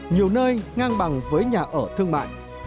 nhiều nơi ngang bằng với nhà ở thương mại